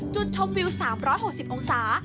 จุดชมวิว๓๖๐องศา